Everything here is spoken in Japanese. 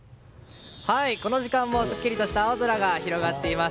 この時間もすっきりとした青空が広がっています。